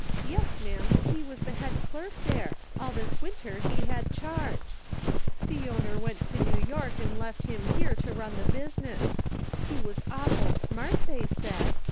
Yes ma'am, he was the head clerk there, all this winter he had charge. The owner went to Hew York and left him here to run the business. He was awful smart, they said.